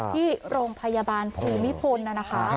ที่โรงพยาบาลภูมิพลนะคะ